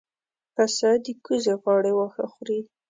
پسه د کوزې غاړې واښه خوري.